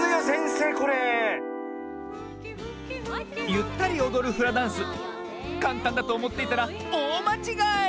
ゆったりおどるフラダンスかんたんだとおもっていたらおおまちがい！